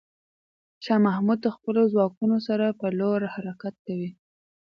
شاه محمود د خپلو ځواکونو سره پر لور حرکت کوي.